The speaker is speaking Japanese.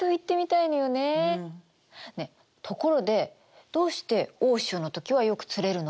ねえところでどうして大潮の時はよく釣れるの？